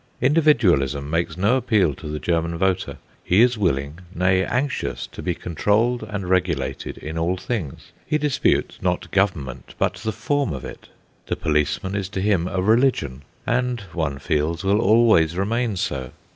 Individualism makes no appeal to the German voter. He is willing, nay, anxious, to be controlled and regulated in all things. He disputes, not government, but the form of it. The policeman is to him a religion, and, one feels, will always remain so.